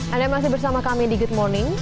anda masih bersama kami di good morning